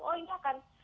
oh ini akan